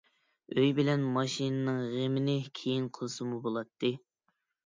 ئۆي بىلەن ماشىنىنىڭ غېمىنى كېيىن قىلسىمۇ بولاتتى.